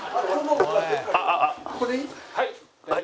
ここでいい？